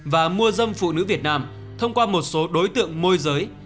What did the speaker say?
và mua dâm phụ nữ việt nam thông qua một số đối tượng môi giới